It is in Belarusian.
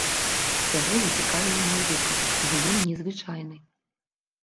Яго зацікавіў мой выпадак, бо ён незвычайны.